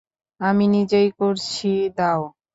আমি নিজেই করছি দাও।